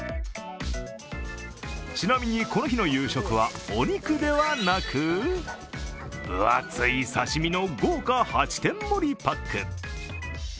ちなみにこの日の夕食はお肉ではなく分厚い刺身の豪華８点盛りパック。